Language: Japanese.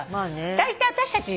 だいたい私たち